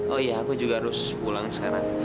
oh iya aku juga harus pulang sekarang